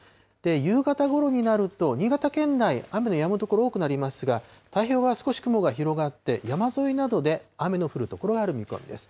夕方ごろになると、新潟県内、雨のやむ所、多くなりますが、太平洋側、少し雲が広がって、山沿いなどで雨の降る所がある見込みです。